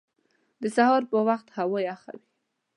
د سهار په وخت هوا یخه وي